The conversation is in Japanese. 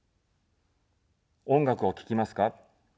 音楽を聴きますか。